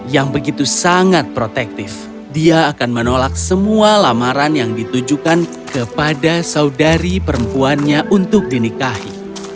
yang begitu sangat protektif dia akan menolak semua lamaran yang ditujukan kepada saudari perempuannya untuk dinikahi